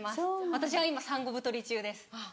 私は今産後太り中です。